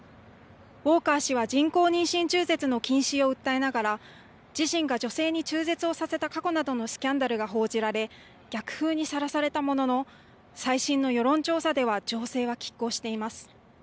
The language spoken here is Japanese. ウォーカー氏は人工妊娠中絶の禁止を訴えながら、自身が女性に中絶をさせた過去などのスキャンダルが報じられ、逆風にさらされたものの、最新の世論調査では情勢はきっ抗しています。